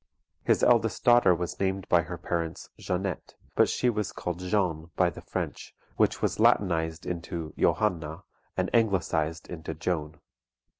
His eldest daughter was named by her parents Jeannette, but she was called Jeanne by the French, which was Latinised into Johanna, and anglicised into Joan.